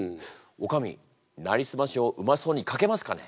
おかみ「なりすまし」をうまそうに書けますかね？